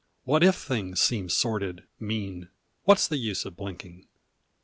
What if things seem sordid, mean, What s the use of blinking?